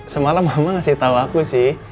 semalam mama ngasih tahu aku sih